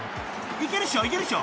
［いけるっしょいけるっしょ］